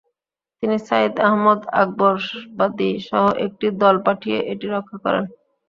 তিনি সাইদ আহমদ আকবরাবাদী সহ একটি দল পাঠিয়ে এটি রক্ষা করেন।